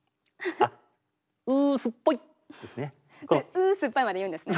「うすっぱい！」まで言うんですね。